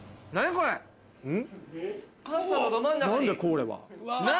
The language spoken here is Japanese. これは。